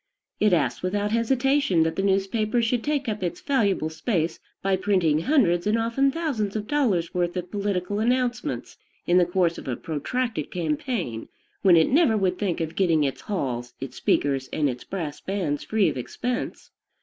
It asks without hesitation that the newspaper should take up its valuable space by printing hundreds and often thousands of dollars' worth of political announcements in the course of a protracted campaign, when it never would think of getting its halls, its speakers, and its brass bands, free of expense.